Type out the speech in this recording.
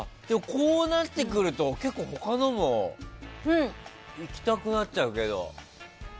こうなってくると結構他のもいきたくなっちゃうけど。